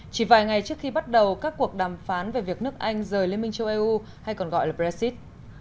chỉ vài ngày trước khi bắt đầu các cuộc đàm phán về việc nước anh rời liên minh châu âu hay còn gọi là brexit